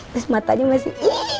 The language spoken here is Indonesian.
terus matanya masih